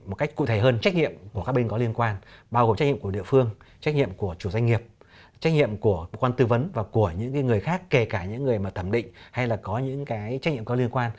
một cách cụ thể hơn trách nhiệm của các bên có liên quan bao gồm trách nhiệm của địa phương trách nhiệm của chủ doanh nghiệp trách nhiệm của quan tư vấn và của những người khác kể cả những người mà thẩm định hay là có những cái trách nhiệm có liên quan